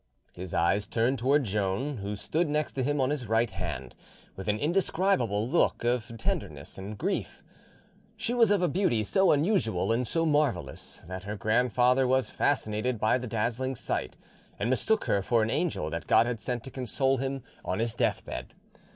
His eyes turned toward Joan, who stood next him on his right hand, with an indescribable look of tenderness and grief. She was of a beauty so unusual and so marvellous, that her grandfather was fascinated by the dazzling sight, and mistook her for an angel that God had sent to console him on his deathbed.